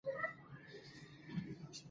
مورې، زما تخمونه دې څه کړل؟